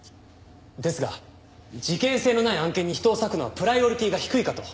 ですが事件性のない案件に人を割くのはプライオリティが低いかと。